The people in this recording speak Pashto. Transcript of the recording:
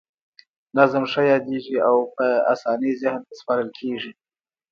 نظم ښه یادیږي او په اسانۍ ذهن ته سپارل کیږي.